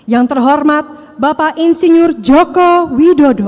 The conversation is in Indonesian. yang terhormat bapak insinyur joko widodo